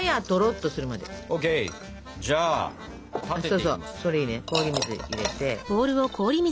そうそうそれいいね氷水入れて。